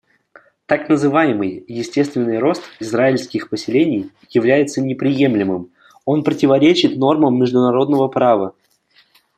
Так называемый естественный рост израильских поселений является неприемлемым; он противоречит нормам международного права.